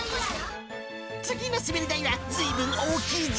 次の滑り台は、ずいぶん大きいぞ。